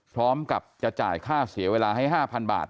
พร้อมกับจะจ่ายค่าเสียเวลาให้๕๐๐บาท